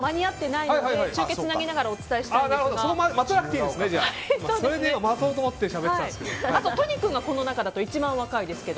礼さんがまだ間に合っていないので中継つなぎながらお伝えしているんですが。